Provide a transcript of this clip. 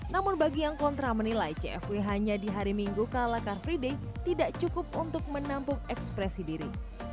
namun bagi yang kontra menilai cfw hanya di hari minggu kala car free day tidak cukup untuk menampung ekspresi diri